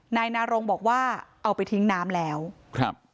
นายนารงบอกว่าเอาไปทิ้งน้ำแล้วครับ